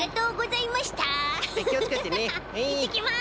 いってきます！